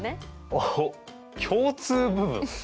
おっ共通部分？